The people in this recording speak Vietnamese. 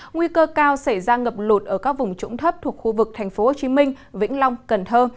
nguy cơ cao xảy ra ngập lụt ở các vùng trũng thấp thuộc khu vực tp hcm vĩnh long cần thơ